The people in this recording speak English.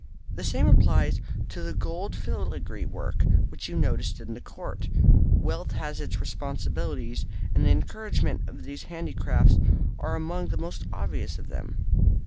The same applies to the gold filigree work which you noticed in the court. Wealth has its responsibilities, and the encouragement of these handicrafts are among the most obvious of them.